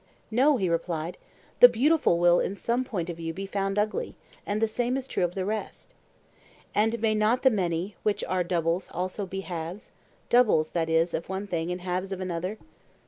No, he replied; the beautiful will in some point of view be found ugly; and the same is true of the rest. And may not the many which are doubles be also halves?—doubles, that is, of one thing, and halves of another?